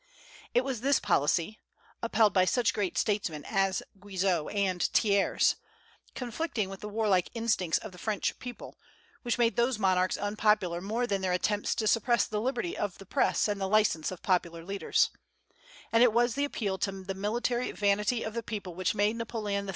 It was this policy, upheld by such great statesmen as Guizot and Thiers, conflicting with the warlike instincts of the French people, which made those monarchs unpopular more than their attempts to suppress the liberty of the Press and the license of popular leaders; and it was the appeal to the military vanity of the people which made Napoleon III.